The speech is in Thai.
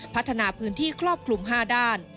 พัฒนาพื้นที่ครอบคลุม๕ด้าน